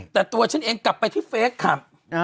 แต่ตัวฉันเองกลับไปที่เฟคครับ